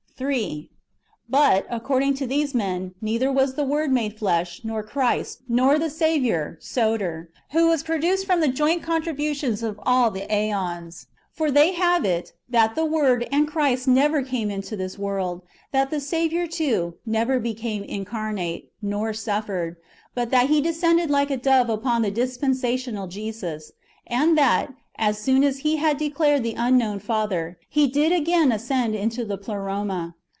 ^ 3. But, according to these men, neither was the Word made flesh, nor Christ, nor the Saviour (Soter), who was produced from [the joint contributions of] all [the ^ons]. For they will have it, that the Word and Christ never came into this world; that the Saviour, too, never became incar nate, nor suffered, but that He descended like a dove upon the dispensational Jesus ; and that, as soon as He had de clared the unknown Father, He did again ascend into the Pleroma.